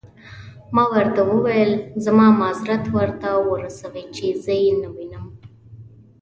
ما ورته وویل: زما معذرت ورته ورسوئ، چې زه يې نه وینم.